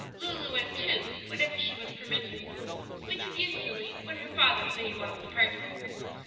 Lulu went, too, whenever she was permitted, which was usually when her father made one of the party.